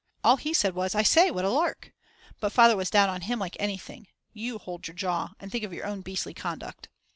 All he said was: I say, what a lark! But Father was down on him like anything, "You hold your jaw and think of your own beastly conduct."